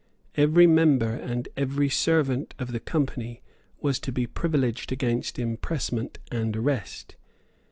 Every member and every servant of the Company was to be privileged against impressment and arrest.